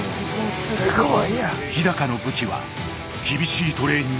すっごい。